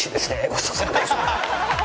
ごちそうさまです！